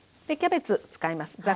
でキャベツ使います。